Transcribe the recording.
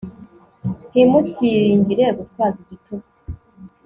ntimukiringire gutwaza igitugu